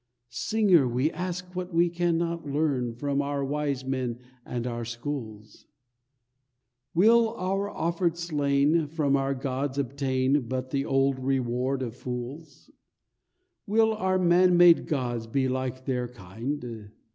Singer, we ask what we cannot learn From our wise men and our schools; Will our offered slain from our gods obtain But the old reward of fools? Will our man made gods be like their kind?